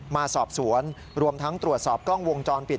มาสอบสวนรวมทั้งตรวจสอบกล้องวงจรปิด